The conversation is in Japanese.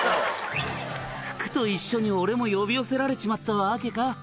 「福と一緒に俺も呼び寄せられちまったわけか」